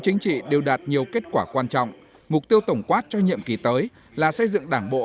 chính trị đều đạt nhiều kết quả quan trọng mục tiêu tổng quát cho nhiệm kỳ tới là xây dựng đảng bộ